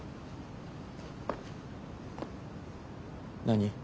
何？